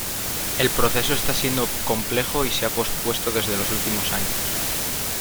El proceso esta siendo complejo y se ha pospuesto desde los últimos años.